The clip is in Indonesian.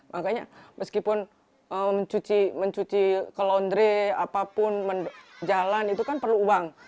makanya meskipun mencuci ke laundry apapun jalan itu kan perlu uang